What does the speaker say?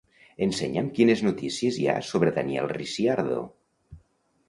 Ensenya'm quines notícies hi ha sobre Daniel Ricciardo.